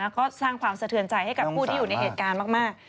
ก็สร้างความสะเทือนใจให้กับผู้ที่อยู่ในเหตุการณ์มาก